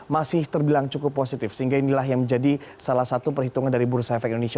masih terbilang cukup positif sehingga inilah yang menjadi salah satu perhitungan dari bursa efek indonesia